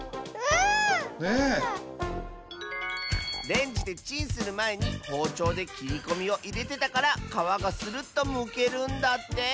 レンジでチンするまえにほうちょうできりこみをいれてたからかわがスルッとむけるんだって。